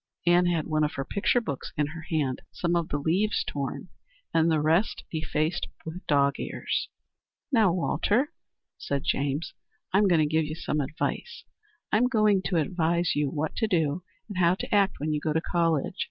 Ann had one of her picture books in her hand, some of the leaves torn, and the rest defaced with dog's ears. "Now, Walter," said James, "I'm going to give you some advice. I am going to advise you what to do and how to act when you go to college.